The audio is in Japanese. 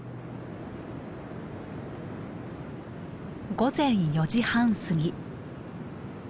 午前４時半過ぎ。